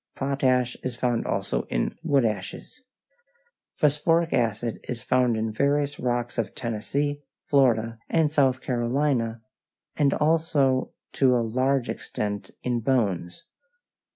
Potash is found also in unleached wood ashes. Phosphoric acid is found in various rocks of Tennessee, Florida, and South Carolina, and also to a large extent in bones.